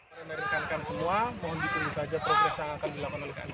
mereka merekankan semua mohon ditunggu saja progres yang akan dilakukan oleh knkt